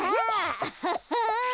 アハハ。